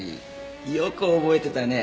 よく覚えてたね。